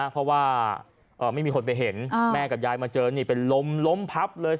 เพราะว่าไม่มีคนไปเห็นแม่กับยายมาเจอนี่เป็นลมล้มพับเลย